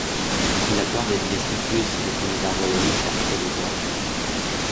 Il a peur d'être destitué si le candidat royaliste perd trop de voix.